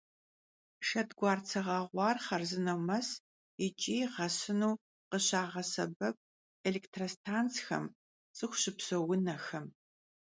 Şşedguartse ğeğuar xharzıneu mes yiç'i ar ğesınu khışağesebep elêktrostantsxem, ts'ıxu şıpseu vunexem.